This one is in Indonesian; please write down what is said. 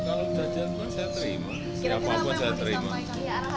kalau sudah jatuh saya terima siapapun saya terima